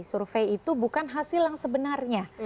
survei itu bukan hasil yang sebenarnya